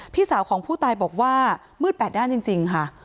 พี่สาวของผู้ตายบอกว่ามืดแปดด้านจริงค่ะ